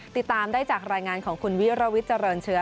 ติดตามได้จากรายงานของคุณวิรวิทย์เจริญเชื้อ